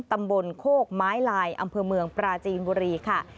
ตำบลโคกไม้ลายอำเภอเมืองปราจีนบุรีค่ะ